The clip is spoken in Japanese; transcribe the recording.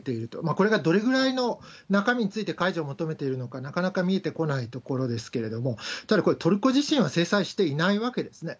これがどれぐらいの中身について解除を求めているのか、なかなか見えてこないところですけれども、ただ、これトルコ自身は制裁していないわけですね。